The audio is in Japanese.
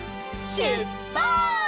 しゅっぱつ！